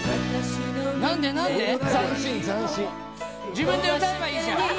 自分で歌えばいいじゃん！